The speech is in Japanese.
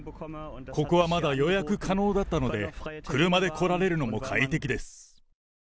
ここはまだ予約可能だったので、車で来られるのも快適です。